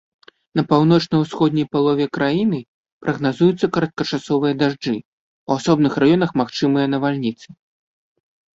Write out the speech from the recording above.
На паўночна-ўсходняй палове краіны прагназуюцца кароткачасовыя дажджы, у асобных раёнах магчымыя навальніцы.